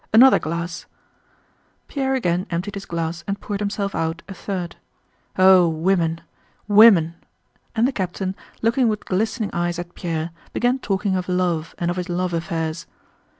"Another glass?" Pierre again emptied his glass and poured himself out a third. "Oh, women, women!" and the captain, looking with glistening eyes at Pierre, began talking of love and of his love affairs.